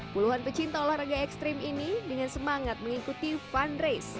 puluhan pecinta olahraga ekstrim ini dengan semangat mengikuti fundraise